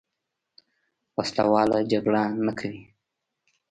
وسله واله جګړه نه کوي.